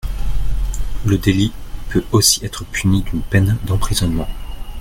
Le délit peut aussi être puni d’une peine d’emprisonnement.